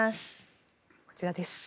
こちらです。